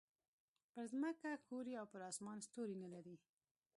پر ځمکه ښوری او پر اسمان ستوری نه لري.